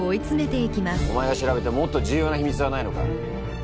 お前が調べたもっと重要な秘密はないのか？